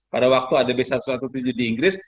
pada waktu adb satu ratus tujuh belas di inggris